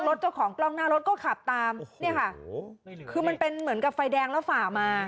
รถเจ้าของกล้องหน้ารถก็ขับตามเนี่ยค่ะเหมือนกับไฟแดงแล้วฝ่ามา